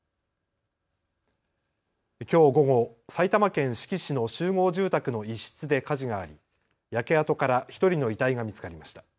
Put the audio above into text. きょう午後、埼玉県志木市の集合住宅の一室で火事があり焼け跡から１人の遺体が見つかりました。